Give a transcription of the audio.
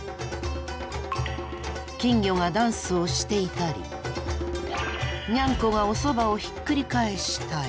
金魚がダンスをしていたりニャンコがおそばをひっくり返したり。